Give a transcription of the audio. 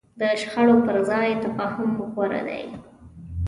د شخړې پر ځای تفاهم غوره دی.